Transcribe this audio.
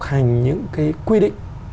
chấp hành những cái quy định